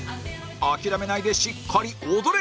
諦めないでしっかり踊れ！